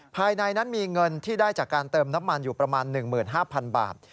ภายในนั้นมีเงินที่ได้จากการเติมน้ำมันอยู่ประมาณ๑๕๐๐๐บาท